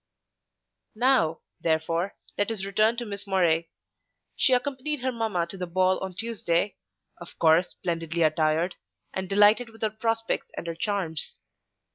Now, therefore, let us return to Miss Murray. She accompanied her mamma to the ball on Tuesday; of course splendidly attired, and delighted with her prospects and her charms.